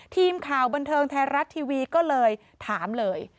ทีมข่าวบันเทิงไทยรัฐทีวีก็เลยถามเลย